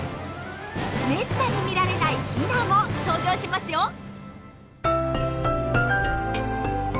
めったに見られないヒナも登場しますよ。